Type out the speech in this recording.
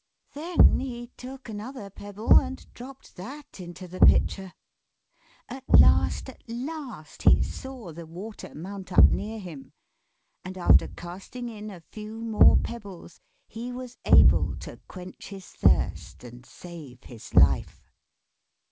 Then he took another pebble and dropped that into the pitcher. At last, at last, he saw the water mount up near him; and after casting in a few more pebbles he was able to quench his thirst and save his life.